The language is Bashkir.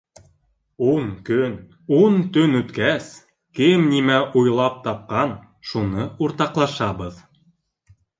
Ун кон, ун төн үткәс, кем нимә уйлап тапҡан, шуны уртаҡлашабыҙ.